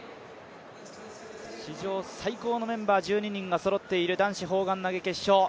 史上最高のメンバー１２人がそろっている男子砲丸投決勝。